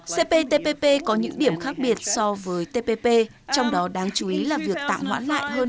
cptpp có những điểm khác biệt so với tpp trong đó đáng chú ý là việc tạm hoãn lại hơn hai triệu đồng